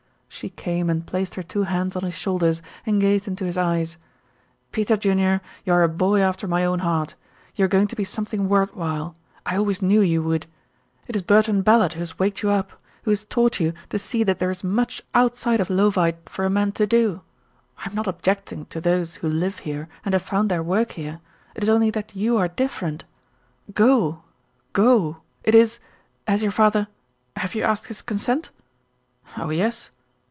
She came and placed her two hands on his shoulders and gazed into his eyes. "Peter Junior, you are a boy after my own heart. You are going to be something worth while. I always knew you would. It is Bertrand Ballard who has waked you up, who has taught you to see that there is much outside of Leauvite for a man to do. I'm not objecting to those who live here and have found their work here; it is only that you are different. Go! Go! It is has your father have you asked his consent?" "Oh, yes."